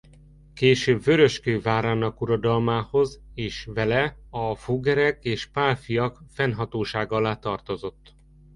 Később Vöröskő várának uradalmához és vele a Fuggerek és Pálffyak fennhatósága alá tartozott.